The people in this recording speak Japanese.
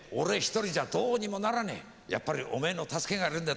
やっぱりおめえの助けがいるんだ。